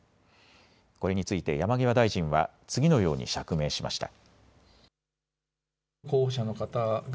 これについて山際大臣は次のように釈明しました。